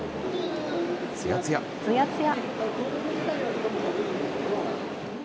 つやつや。